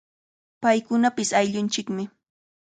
Paykunapish ayllunchikmi.